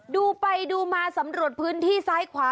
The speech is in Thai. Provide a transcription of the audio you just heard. ดูไปดูมาสำรวจพื้นที่ซ้ายขวา